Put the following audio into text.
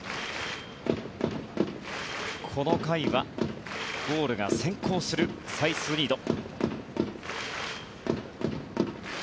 この回はボールが先行するサイスニード。